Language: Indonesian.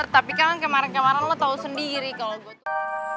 tapi kan kemarin kemarin lo tau sendiri kalau gue tuh